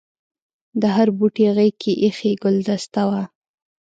د هر بوټي غېږ کې ایښي ګلدسته وه.